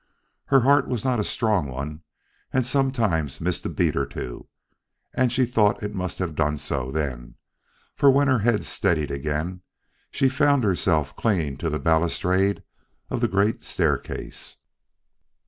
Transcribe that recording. Her heart was not a strong one and sometimes missed a beat or two, and she thought it must have done so then, for when her head steadied again, she found herself clinging to the balustrade of the great staircase.